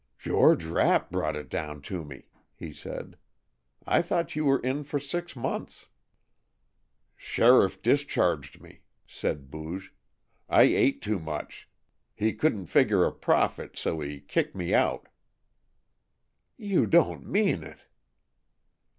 "George Rapp brought it down to me," he said. "I thought you were in for six months." "Sheriff discharged me," said Booge. "I ate too much. He couldn't figure a profit, so he kicked me out." "You don't mean it!"